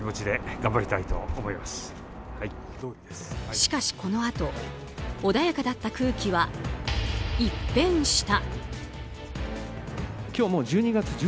しかし、このあと穏やかだった空気は一変した。